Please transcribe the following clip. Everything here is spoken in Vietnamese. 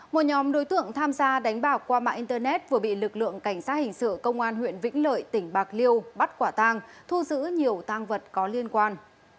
một nhóm đối tượng tham gia đánh bạc qua mạng internet vừa bị lực lượng cảnh sát hình sự công an huyện vĩnh lợi tỉnh bạc liêu bắt quả tang thu giữ nhiều tăng vật có liên quan